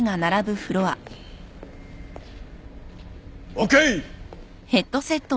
ＯＫ！